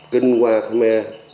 kinh hoa khmer